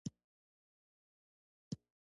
د مالګې په زیاتولو سره د جوشیدو درجه زیاتیږي.